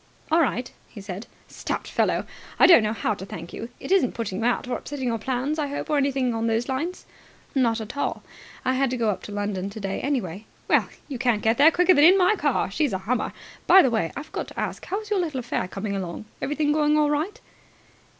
"All right," he said. "Stout fellow! I don't know how to thank you. It isn't putting you out or upsetting your plans, I hope, or anything on those lines?" "Not at all. I had to go up to London today, anyway." "Well, you can't get there quicker than in my car. She's a hummer. By the way, I forgot to ask. How is your little affair coming along? Everything going all right?"